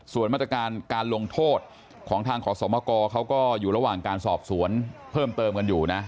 ส่วนมาตรการการลงโทษของทางขอสมกรเขาก็อยู่ระหว่างการสอบสวนเพิ่มเติมกันอยู่นะ